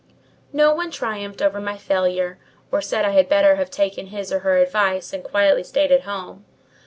No one triumphed over my failure, or said I had better have taken his or her advice, and quietly stayed at home.